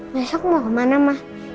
besok mau kemana mas